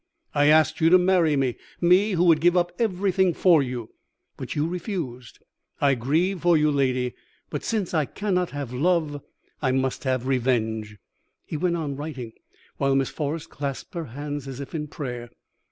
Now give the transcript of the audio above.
I asked you to marry me me, who would give up everything for you; but you refused. I grieve for you, lady; but since I cannot have love, I must have revenge.' "He went on writing, while Miss Forrest clasped her hands as if in prayer.